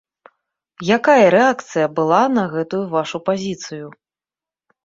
Якая рэакцыя была на гэтую вашу пазіцыю?